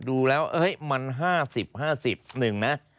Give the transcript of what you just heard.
ดูแล้วเฮ้ยมัน๕๐๕๑นะ